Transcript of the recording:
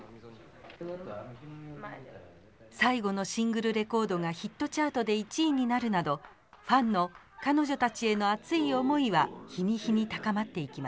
最後のシングルレコードがヒットチャートで１位になるなどファンの彼女たちへの熱い思いは日に日に高まっていきます。